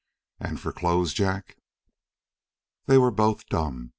"And for clothes, Jack?" They were both dumb.